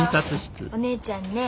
お姉ちゃんね